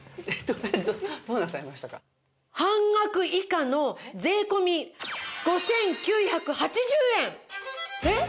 半額以下の税込５９８０円！えっ！？